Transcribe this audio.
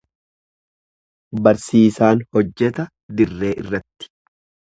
Barsiisaan hojjeta dirree irratti.